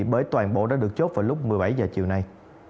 bởi toàn bộ đã được chốt vào lúc một mươi bảy h chiều nay